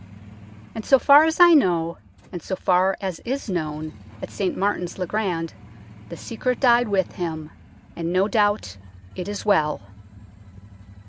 And so far as I know, and so far as is known at St Martin's le Grand, the secret died with him, and no doubt it is well.